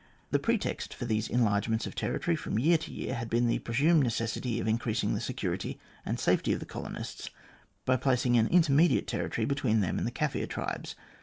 The pretext for these en largements of territory from year to year had been the presumed necessity of increasing the security and safety of the colonists by placing an intermediate territory between them and the Kaffir tribes.